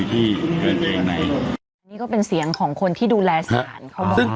ตอนแรกในกระเป๋าออนเมียก็ไม่เจอ